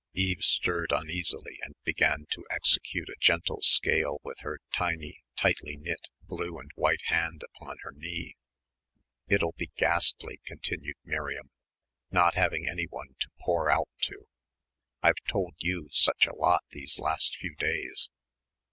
Eve stirred uneasily and began to execute a gentle scale with her tiny tightly knit blue and white hand upon her knee. "It'll be ghastly," continued Miriam, "not having anyone to pour out to I've told you such a lot these last few days."